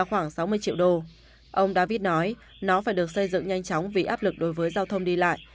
ông david nói nó phải được xây dựng nhanh chóng vì áp lực đối với giao thông đi lại